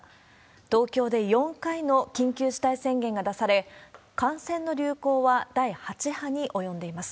東京で４回の緊急事態宣言が出され、感染の流行は第８波に及んでいます。